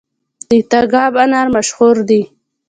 د تګاب انار مشهور دي